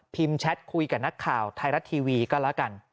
แชทคุยกับนักข่าวไทยรัฐทีวีก็แล้วกัน